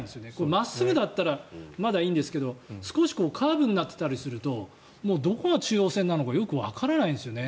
真っすぐだったらまだいいんですけど少しカーブになっていたりするとどこが中央線なのかよくわからないんですね。